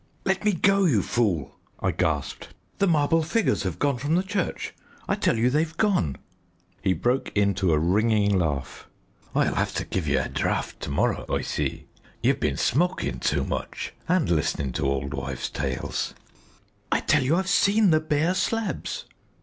"Let me go, you fool," I gasped. "The marble figures have gone from the church; I tell you they've gone." He broke into a ringing laugh. "I'll have to give ye a draught to morrow, I see. Ye've bin smoking too much and listening to old wives' tales." "I tell you, I've seen the bare slabs."